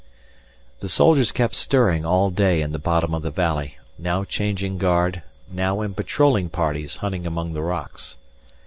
The soldiers kept stirring all day in the bottom of the valley, now changing guard, now in patrolling parties hunting among the rocks.